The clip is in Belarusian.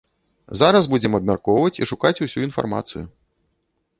Зараз будзем абмяркоўваць і шукаць усю інфармацыю.